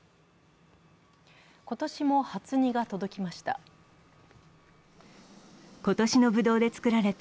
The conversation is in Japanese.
今年も初荷が届きました。